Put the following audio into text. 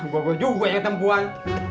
gue juga yang ketempuan